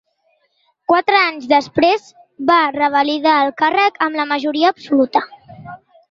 Quatre anys després va revalidar el càrrec amb majoria absoluta.